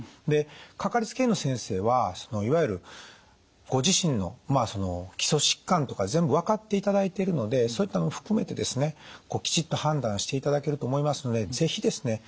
でかかりつけ医の先生はいわゆるご自身の基礎疾患とか全部分かっていただいてるのでそういったもの含めてですねきちっと判断していただけると思いますので是非ですね